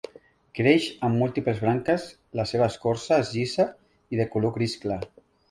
Creix amb múltiples branques, la seva escorça és llisa i de color gris clar.